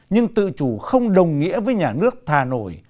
nhưng tự chủ không đồng nghĩa với nhà nước thà nổi